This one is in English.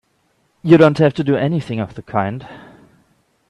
You don't have to do anything of the kind!